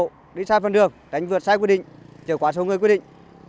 chạy quá tốc độ đi xa phần đường đánh vượt sai quy định chở quá số người quy định